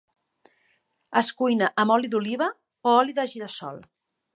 Es cuina amb oli d'oliva o oli de gira-sol.